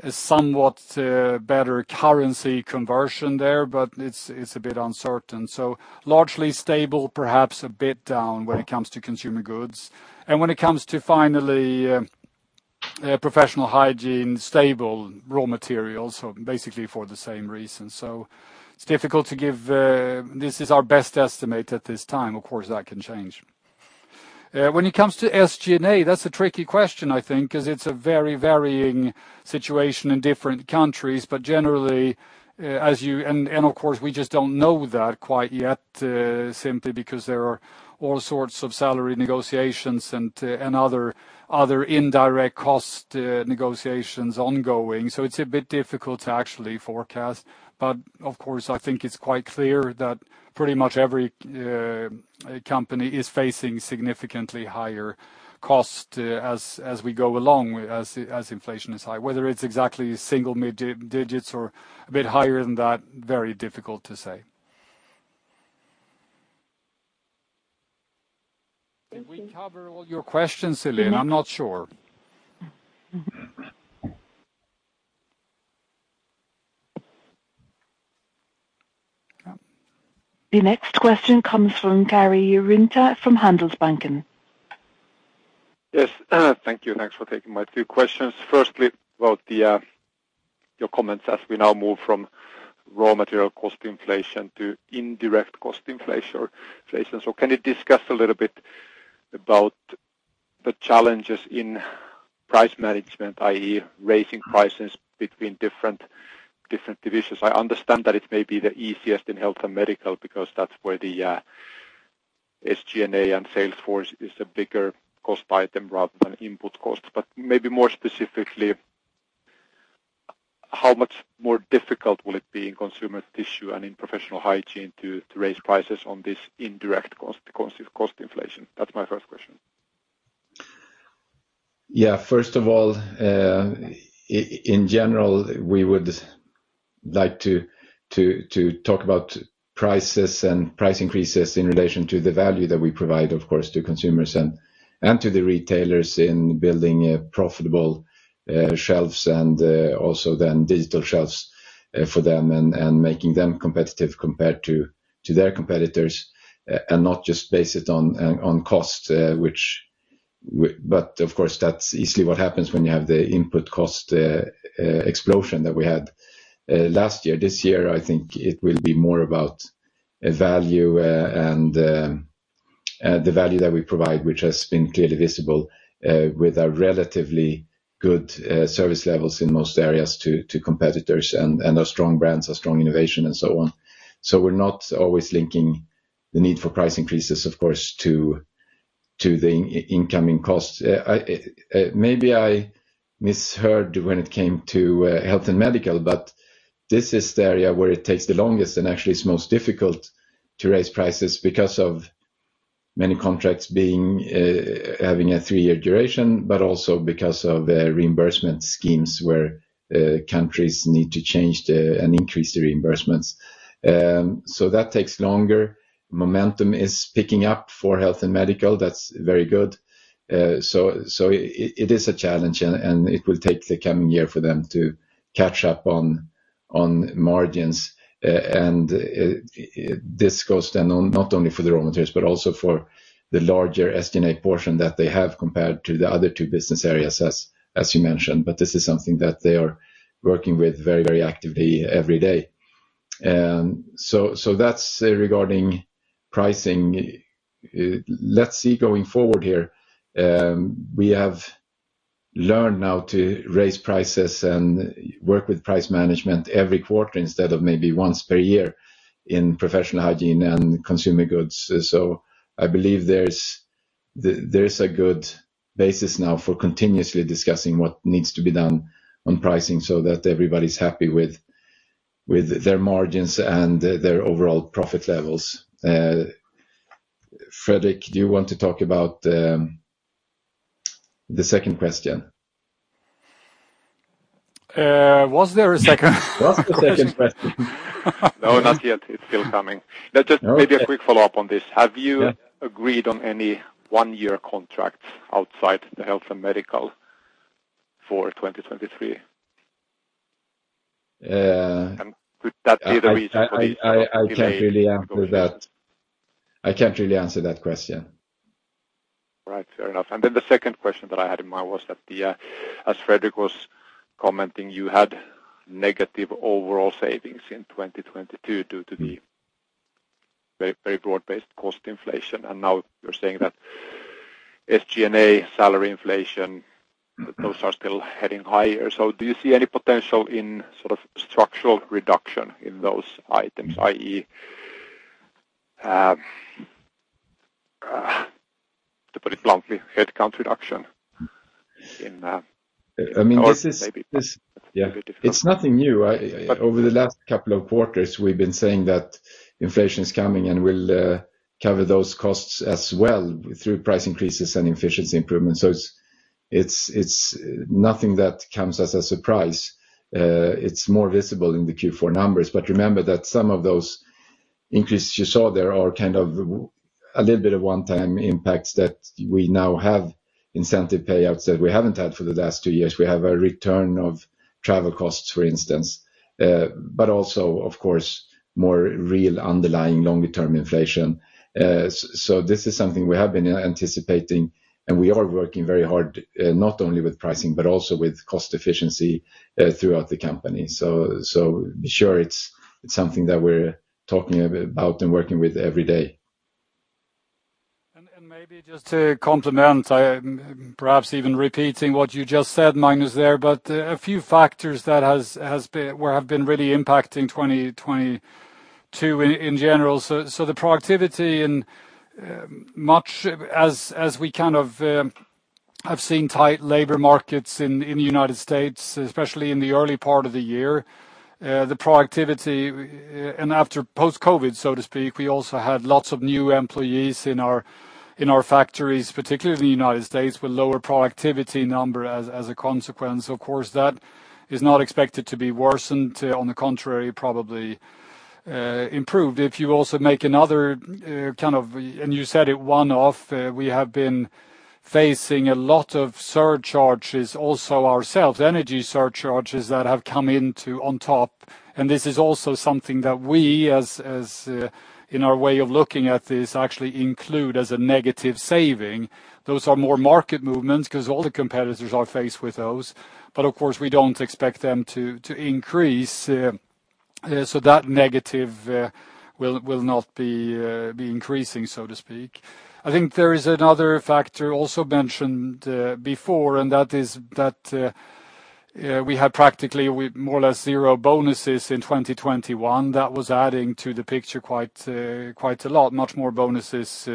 a somewhat better currency conversion there, but it's a bit uncertain. Largely stable, perhaps a bit down when it comes to consumer goods. When it comes to finally, Professional Hygiene, stable raw materials. Basically for the same reason. It's difficult to give. This is our best estimate at this time. Of course, that can change. When it comes to SG&A, that's a tricky question I think, 'cause it's a very varying situation in different countries. Generally, as you of course, we just don't know that quite yet, simply because there are all sorts of salary negotiations and other indirect cost negotiations ongoing. It's a bit difficult to actually forecast. Of course, I think it's quite clear that pretty much every company is facing significantly higher costs, as we go along, as inflation is high. Whether it's exactly single mid digits or a bit higher than that, very difficult to say Did we cover all your questions, I'm Lai? I'm not sure. The next question comes from Karri Rinta from Handelsbanken. Yes. Thank you. Thanks for taking my two questions. Firstly, about the your comments as we now move from raw material cost inflation to indirect cost inflation. Can you discuss a little bit about the challenges in price management, i.e., raising prices between different divisions? I understand that it may be the easiest in health and medical because that's where the SG&A and sales force is a bigger cost item rather than input costs. Maybe more specifically, how much more difficult will it be in consumer tissue and in Professional Hygiene to raise prices on this indirect cost inflation? That's my first question. Yeah. First of all, in general, we would like to talk about prices and price increases in relation to the value that we provide, of course, to consumers and to the retailers in building profitable shelves and also then digital shelves for them and making them competitive compared to their competitors, and not just base it on cost. Of course, that's easily what happens when you have the input cost explosion that we had last year. This year, I think it will be more about value and the value that we provide, which has been clearly visible with our relatively good service levels in most areas to competitors and our strong brands, our strong innovation and so on. We're not always linking the need for price increases, of course, to the incoming costs. Maybe I misheard when it came to health and medical, but this is the area where it takes the longest and actually it's most difficult to raise prices because of many contracts being having a three-year duration, but also because of reimbursement schemes where countries need to change and increase the reimbursements. That takes longer. Momentum is picking up for health and medical. That's very good. It is a challenge, and it will take the coming year for them to catch up on margins. This goes then on not only for the raw materials, but also for the larger SG&A portion that they have compared to the other two business areas, as you mentioned. This is something that they are working with very actively every day. So that's regarding pricing. Let's see going forward here. We have learned now to raise prices and work with price management every quarter instead of maybe once per year in Professional Hygiene and consumer goods. I believe there's a good basis now for continuously discussing what needs to be done on pricing so that everybody's happy with their margins and their overall profit levels. Fredrik, do you want to talk about the second question? Was there a second? What's the second question? No, not yet. It's still coming. Just maybe a quick follow-up on this. Yeah. Have you agreed on any one-year contracts outside the health and medical for 2023? Could that be the reason for the delay? I can't really answer that. I can't really answer that question. Right. Fair enough. Then the second question that I had in mind was that the as Fredrik was commenting, you had negative overall savings in 2022 due to the very, very broad-based cost inflation. Now you're saying that SG&A salary inflation-... those are still heading higher. Do you see any potential in sort of structural reduction in those items, i.e., to put it bluntly, headcount reduction? I mean, this is- maybe this Yeah. It's nothing new. Over the last couple of quarters, we've been saying that inflation is coming, and we'll cover those costs as well through price increases and efficiency improvements. It's nothing that comes as a surprise. It's more visible in the Q4 numbers. Remember that some of those increases you saw there are kind of a little bit of one-time impacts that we now have incentive payouts that we haven't had for the last two years. We have a return of travel costs, for instance, but also, of course, more real underlying longer-term inflation. This is something we have been anticipating, and we are working very hard, not only with pricing, but also with cost efficiency, throughout the company. Sure, it's something that we're talking a bit about and working with every day. Maybe just to complement, I, perhaps even repeating what you just said, Magnus, there, but a few factors that have been really impacting 2022 in general. The productivity and much as we kind of seen tight labor markets in the United States, especially in the early part of the year. The productivity and after post-COVID, so to speak, we also had lots of new employees in our factories, particularly in the United States, with lower productivity number as a consequence. That is not expected to be worsened. On the contrary, probably improved. If you also make another. You said it one-off. We have been facing a lot of surcharges also ourselves, energy surcharges that have come into on top. This is also something that we as, in our way of looking at this, actually include as a negative saving. Those are more market movements 'cause all the competitors are faced with those. Of course, we don't expect them to increase, so that negative will not be increasing, so to speak. I think there is another factor also mentioned before, and that is that we have practically more or less zero bonuses in 2021. That was adding to the picture quite a lot, much more bonuses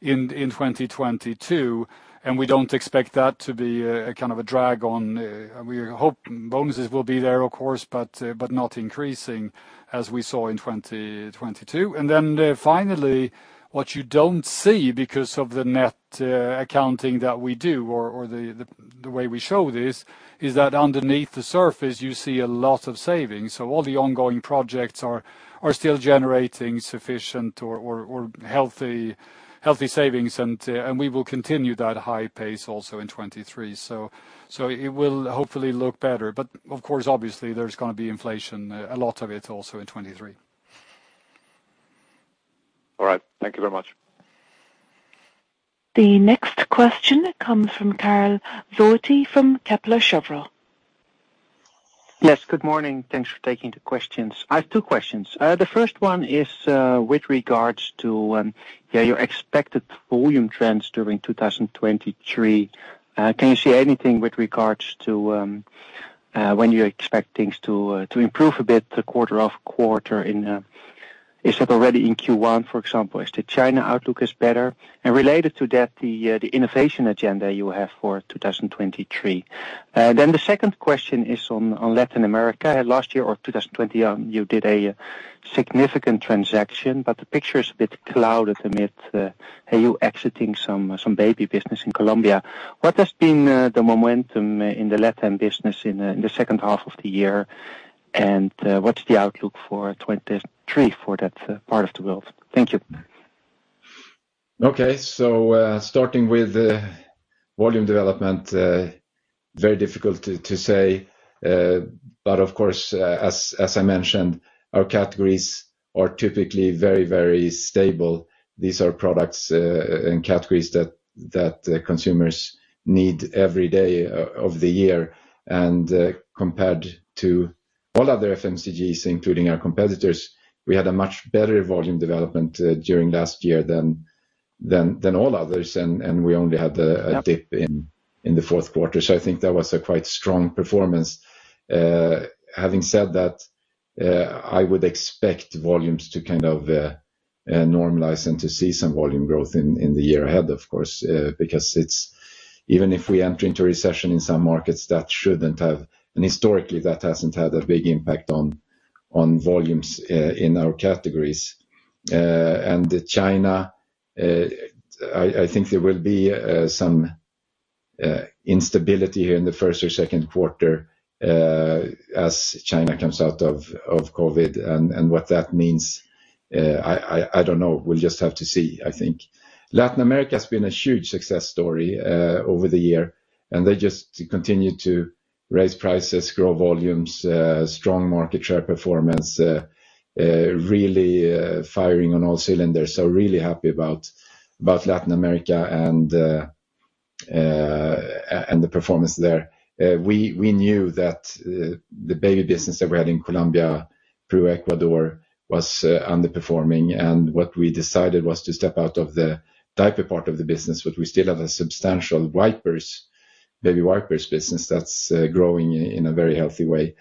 in 2022, and we don't expect that to be a kind of a drag on. We hope bonuses will be there, of course, but not increasing as we saw in 2022. Finally, what you don't see because of the net accounting that we do or the way we show this, is that underneath the surface you see a lot of savings. All the ongoing projects are still generating sufficient or healthy savings. We will continue that high pace also in 2023. It will hopefully look better. Of course, obviously there's gonna be inflation, a lot of it also in 2023. All right. Thank you very much. The next question comes from Carl Voigt from Kepler Cheuvreux. Yes, good morning. Thanks for taking the questions. I have two questions. The first one is with regards to your expected volume trends during 2023. Can you see anything with regards to when you expect things to improve a bit quarter-over-quarter? Is it already in Q1, for example? Is the China outlook is better? Related to that, the innovation agenda you have for 2023. The second question is on Latin America. Last year or 2020, you did a significant transaction, but the picture is a bit clouded. Are you exiting some baby business in Colombia? What has been the momentum in the LatAm business in the second half of the year? What's the outlook for 23 for that part of the world? Thank you. Okay. Starting with the volume development, very difficult to say. Of course, as I mentioned, our categories are typically very stable. These are products and categories that consumers need every day of the year. Compared to all other FMCGs, including our competitors, we had a much better volume development during last year than all others, and we only had a dip in the Q4. I think that was a quite strong performance. Having said that, I would expect volumes to kind of normalize and to see some volume growth in the year ahead, of course, because it's. Even if we enter into recession in some markets, that shouldn't have, and historically, that hasn't had a big impact on volumes in our categories. China, I think there will be some instability in the first or Q2 as China comes out of COVID, and what that means, I don't know. We'll just have to see, I think. Latin America has been a huge success story over the year, they just continue to raise prices, grow volumes, strong market share performance, really firing on all cylinders. Really happy about Latin America and the performance there. We knew that the baby business that we had in Colombia through Ecuador was underperforming, what we decided was to step out of the diaper part of the business. We still have a substantial wipers, baby wipers business that's growing in a very healthy way.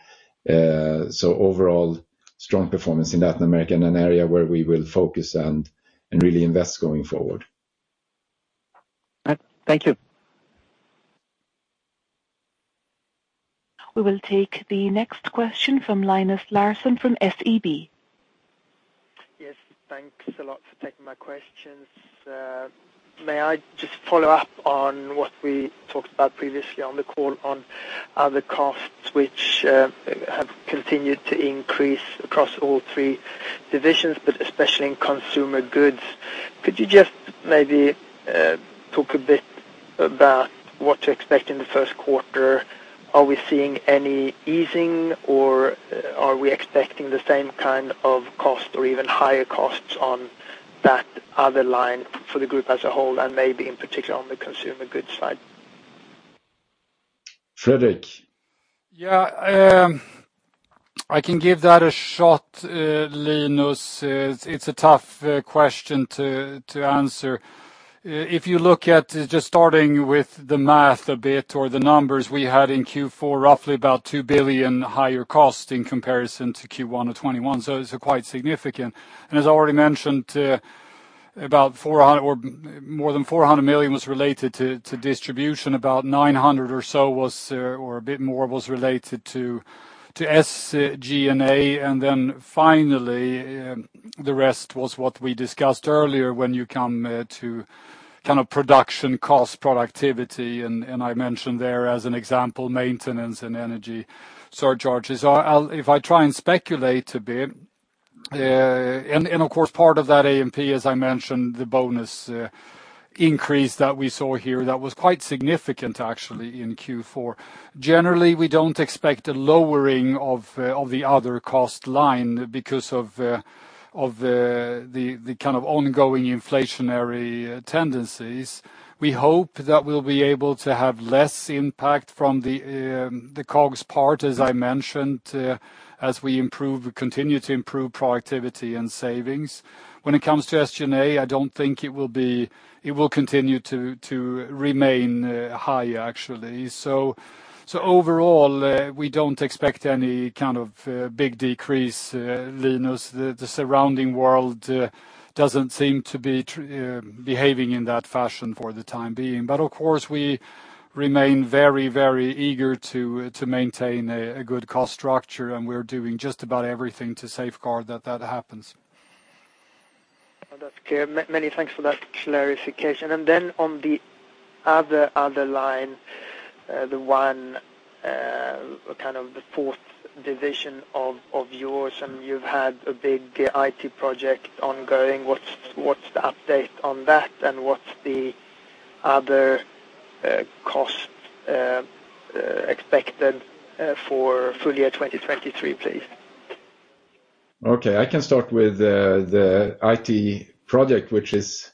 Overall, strong performance in Latin America in an area where we will focus and really invest going forward. Thank you. We will take the next question from Linus Larsson from SEB. Thanks a lot for taking my questions. May I just follow up on what we talked about previously on the call on other costs which have continued to increase across all 3 divisions, but especially in consumer goods. Could you just maybe talk a bit about what to expect in the 1st quarter? Are we seeing any easing, or are we expecting the same kind of cost or even higher costs on that other line for the group as a whole and maybe in particular on the consumer goods side? Fredrik? Yeah. I can give that a shot, Linus. It's a tough question to answer. If you look at just starting with the math a bit or the numbers we had in Q4, roughly about 2 billion higher cost in comparison to Q1 of 2021. It's quite significant. As already mentioned, or more than 400 million was related to distribution. About 900 million or so was, or a bit more was related to SG&A. Finally, the rest was what we discussed earlier when you come to kind of production cost productivity, and I mentioned there as an example, maintenance and energy surcharges. If I try and speculate a bit, and of course, part of that A&P, as I mentioned, the bonus increase that we saw here that was quite significant actually in Q4. Generally, we don't expect a lowering of the other cost line because of the kind of ongoing inflationary tendencies. We hope that we'll be able to have less impact from the COGS part, as I mentioned, as we continue to improve productivity and savings. When it comes to SG&A, I don't think it will continue to remain high, actually. Overall, we don't expect any kind of big decrease, Linus. The surrounding world doesn't seem to be behaving in that fashion for the time being. Of course, we remain very, very eager to maintain a good cost structure, and we're doing just about everything to safeguard that happens. That's clear. Many thanks for that clarification. Then on the other line, the one kind of the fourth division of yours, and you've had a big IT project ongoing. What's the update on that, and what's the other cost expected for full year 2023, please? I can start with the IT project, which is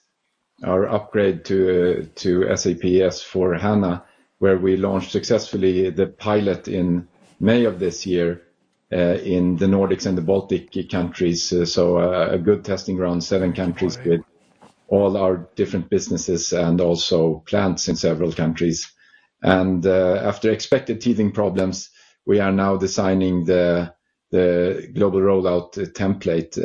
our upgrade to SAP S/4HANA, where we launched successfully the pilot in May of this year in the Nordics and the Baltic countries. A good testing ground, 7 countries with all our different businesses and also plants in several countries. After expected teething problems, we are now designing the global rollout template,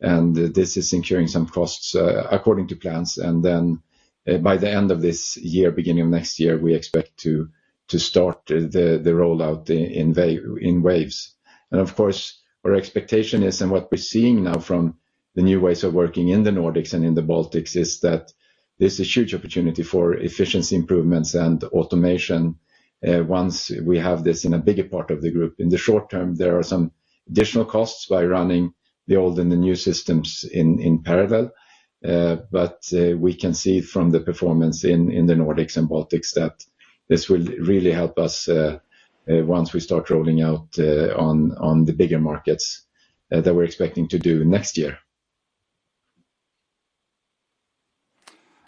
and this is incurring some costs according to plans. By the end of this year, beginning of next year, we expect to start the rollout in waves. Of course, our expectation is, and what we're seeing now from the new ways of working in the Nordics and in the Baltics, is that there's a huge opportunity for efficiency improvements and automation, once we have this in a bigger part of the group. In the short term, there are some additional costs by running the old and the new systems in parallel, we can see from the performance in the Nordics and Baltics that this will really help us, once we start rolling out on the bigger markets that we're expecting to do next year.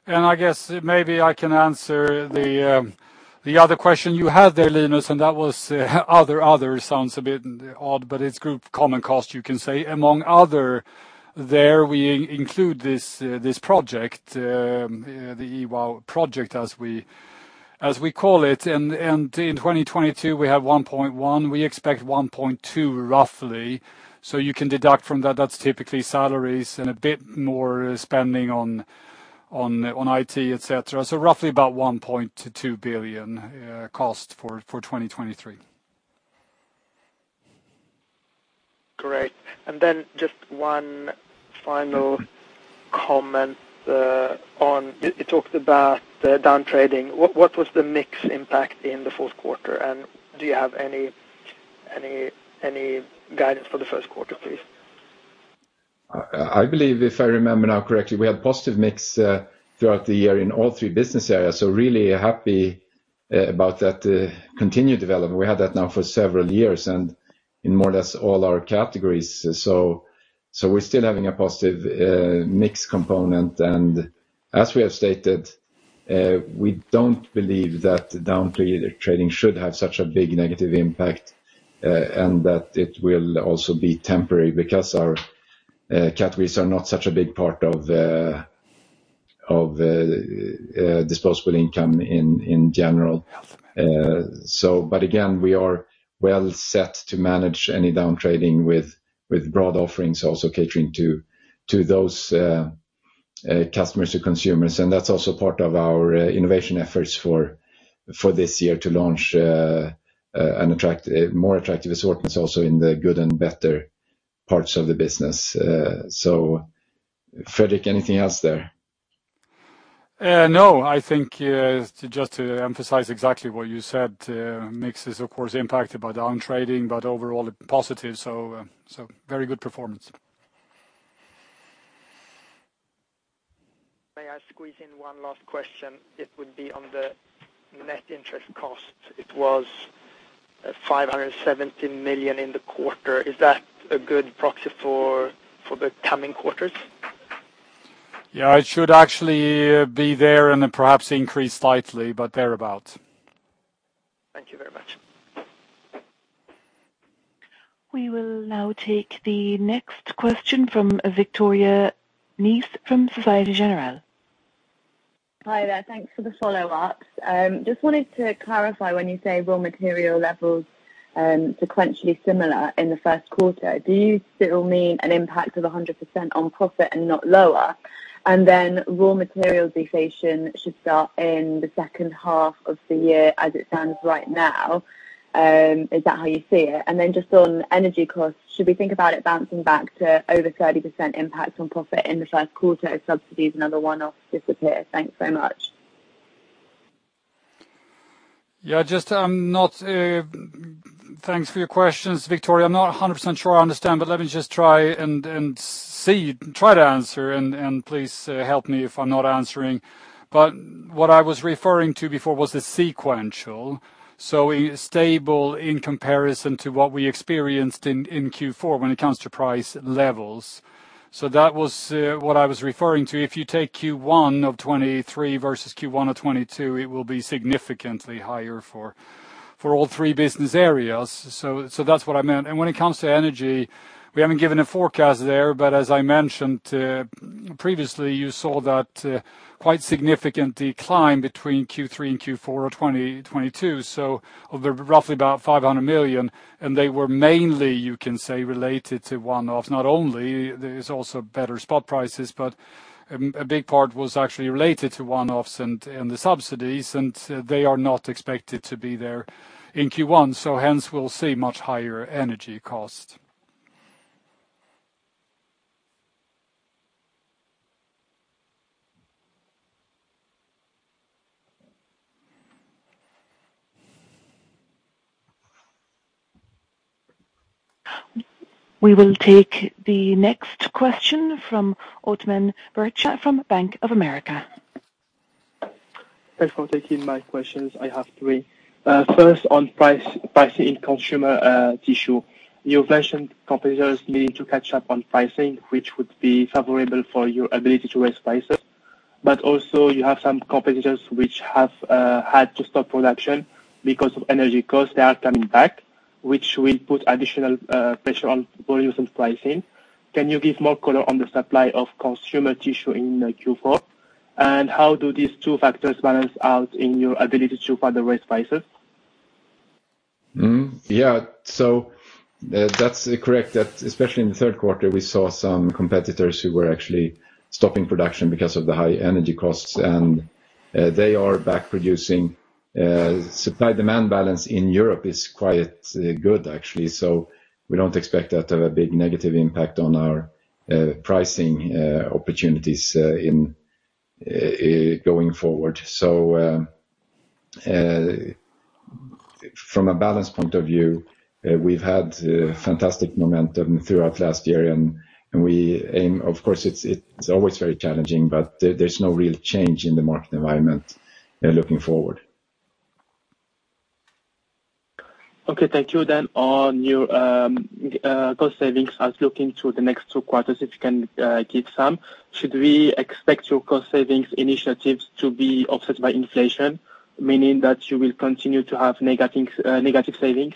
I guess maybe I can answer the other question you had there, Linus, that was other sounds a bit odd, but it's group common cost you can say. Among other, there we include this project, the WOW project as we call it. In 2022, we have 1.1. We expect 1.2, roughly. You can deduct from that. That's typically salaries and a bit more spending on IT, et cetera. Roughly about 1.2 billion cost for 2023. Great. Just one final comment. You talked about the downtrading. What was the mix impact in the Q4? Do you have any guidance for the Q1, please? I believe if I remember now correctly, we had positive mix throughout the year in all three business areas. Really happy about that continued development. We have that now for several years and in more or less all our categories. So we're still having a positive mix component. As we have stated, we don't believe that downtrading should have such a big negative impact, and that it will also be temporary because our categories are not such a big part of the disposable income in general. But again, we are well set to manage any downtrading with broad offerings also catering to those customers or consumers. That's also part of our innovation efforts for this year to launch more attractive assortments also in the good and better parts of the business. Fredrik, anything else there? No. I think, just to emphasize exactly what you said, mix is of course impacted by downtrading. Overall positive. Very good performance. May I squeeze in one last question? It would be on the net interest cost. It was 570 million in the quarter. Is that a good proxy for the coming quarters? Yeah, it should actually be there and then perhaps increase slightly, but thereabout. Thank you very much. We will now take the next question from Victoria Nice from Societe Generale. Hi there. Thanks for the follow-ups. just wanted to clarify when you say raw material levels, sequentially similar in the Q1, do you still mean an impact of 100% on profit and not lower? raw material deflation should start in the second half of the year as it stands right now, is that how you see it? just on energy costs, should we think about it bouncing back to over 30% impact on profit in the Q1 as subsidies and other one-offs disappear? Thanks so much. Thanks for your questions, Victoria. I'm not 100% sure I understand, but let me just try and see, try to answer, and please help me if I'm not answering. What I was referring to before was the sequential, so stable in comparison to what we experienced in Q4 when it comes to price levels. That was what I was referring to. If you take Q1 of 2023 versus Q1 of 2022, it will be significantly higher for all three business areas. That's what I meant. When it comes to energy, we haven't given a forecast there, but as I mentioned previously, you saw that quite significant decline between Q3 and Q4 of 2022. Of the roughly about 500 million, and they were mainly, you can say, related to one-offs, not only, there's also better spot prices, but a big part was actually related to one-offs and the subsidies, and they are not expected to be there in Q1. Hence, we'll see much higher energy costs. We will take the next question from Othman Bercha from Bank of America. Thanks for taking my questions. I have three. First on price, pricing in consumer tissue. You mentioned competitors needing to catch up on pricing, which would be favorable for your ability to raise prices. Also you have some competitors which have had to stop production because of energy costs. They are coming back, which will put additional pressure on volumes and pricing. Can you give more color on the supply of consumer tissue in Q4? How do these two factors balance out in your ability to further raise prices? That's correct that especially in the Q3, we saw some competitors who were actually stopping production because of the high energy costs, and they are back producing. Supply-demand balance in Europe is quite good, actually. We don't expect that to have a big negative impact on our pricing opportunities in going forward. From a balance point of view, we've had fantastic momentum throughout last year, and we aim. Of course, it's always very challenging, but there's no real change in the market environment looking forward. Okay. Thank you. On your cost savings, as looking to the next two quarters, if you can give some, should we expect your cost savings initiatives to be offset by inflation, meaning that you will continue to have negative savings?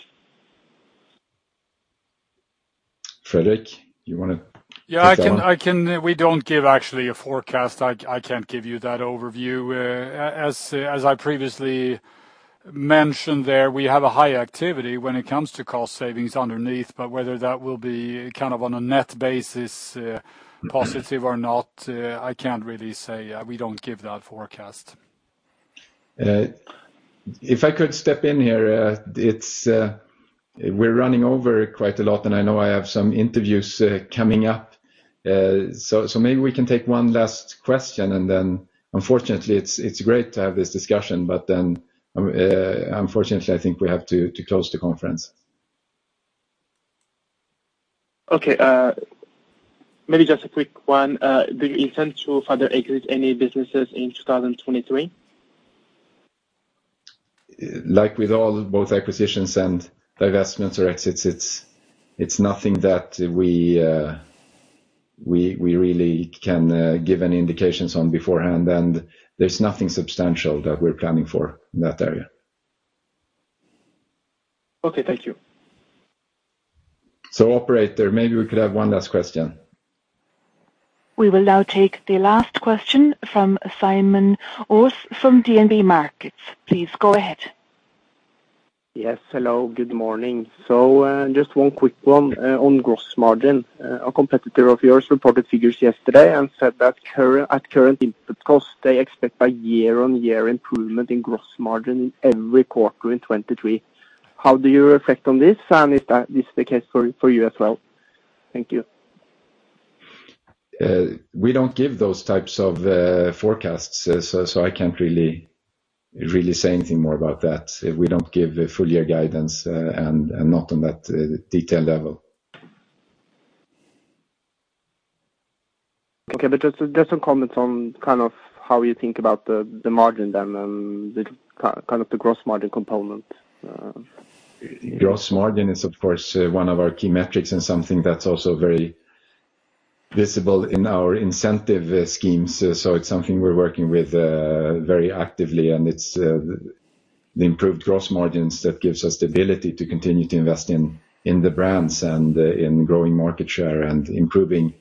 Fredrik, you wanna take that one? Yeah, I can. We don't give actually a forecast. I can't give you that overview. As I previously mentioned there, we have a high activity when it comes to cost savings underneath, but whether that will be kind of on a net basis, positive or not, I can't really say. We don't give that forecast. If I could step in here, it's, We're running over quite a lot, and I know I have some interviews coming up. Maybe we can take one last question, and then unfortunately, it's great to have this discussion, but then unfortunately, I think we have to close the conference. Okay. maybe just a quick one. Do you intend to further exit any businesses in 2023? Like with all both acquisitions and divestments or exits, it's nothing that we really can give any indications on beforehand, and there's nothing substantial that we're planning for in that area. Okay. Thank you. Operator, maybe we could have one last question. We will now take the last question from Simon Öst from DNB Markets. Please go ahead. Yes. Hello. Good morning. Just one quick one on gross margin. A competitor of yours reported figures yesterday and said that current, at current input costs, they expect a year-on-year improvement in gross margin in every quarter in 2023. How do you reflect on this, and if this is the case for you as well? Thank you. We don't give those types of forecasts, so I can't really say anything more about that. We don't give full year guidance, and not on that detailed level. Okay. Just some comments on kind of how you think about the margin then, and the kind of the gross margin component. Gross margin is, of course, one of our key metrics and something that's also very visible in our incentive schemes. It's something we're working with very actively, and it's the improved gross margins that gives us the ability to continue to invest in the brands and in growing market share and improving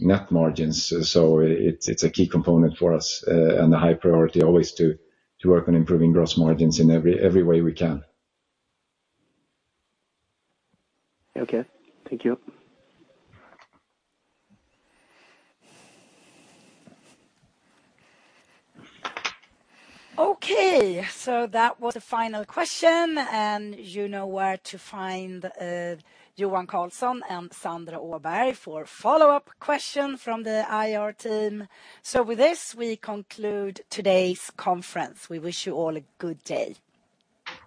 net margins. It's a key component for us and a high priority always to work on improving gross margins in every way we can. Okay. Thank you. Okay. That was the final question, you know where to find, Johan Karlsson and Sandra Åberg for follow-up question from the IR team. With this, we conclude today's conference. We wish you all a good day.